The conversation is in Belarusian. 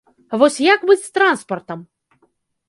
А вось як быць з транспартам?